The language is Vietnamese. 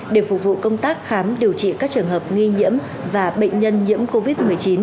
để phục vụ công tác khám điều trị các trường hợp nghi nhiễm và bệnh nhân nhiễm covid một mươi chín